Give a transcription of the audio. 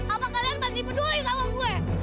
apa kalian masih peduli sama gue